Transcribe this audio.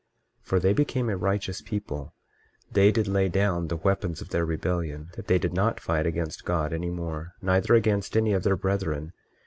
23:7 For they became a righteous people; they did lay down the weapons of their rebellion, that they did not fight against God any more, neither against any of their brethren.